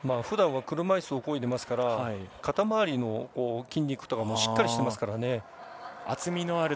ふだんは車いすをこいでいるので肩周りの筋肉とかもしっかりしていますからね。